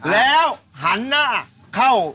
แล้วหันหน้าเข้า